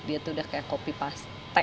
dia tuh udah kayak kopi paste